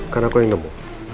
karena aku yang nemu